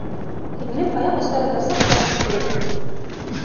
Һеңлем аяҡ остарында саҡ баҫып тороп: